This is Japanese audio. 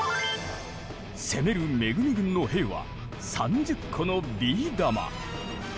攻める恵軍の兵は３０個のビー玉。